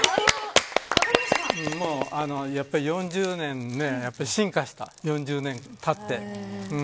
４０年、進化した４０年たって。